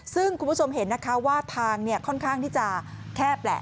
ซึ่งคุณผู้ชมเห็นนะคะว่าทางค่อนข้างที่จะแคบแหละ